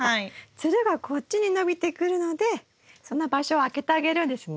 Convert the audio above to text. つるがこっちに伸びてくるのでその場所を空けてあげるんですね。